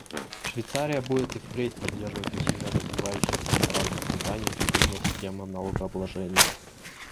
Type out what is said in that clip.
Швейцария будет и впредь поддерживать усилия развивающихся стран по созданию эффективной системы налогообложения.